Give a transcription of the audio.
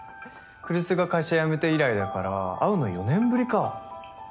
来栖が会社辞めて以来だから会うの４年ぶりか。